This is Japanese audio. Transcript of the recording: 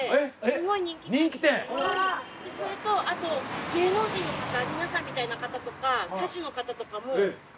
それとあと芸能人の方皆さんみたいな方とか歌手の方とかもたくさんいらっしゃって。